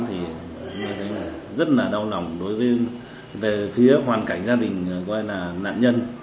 thì tôi thấy rất là đau lòng đối với phía hoàn cảnh gia đình nạn nhân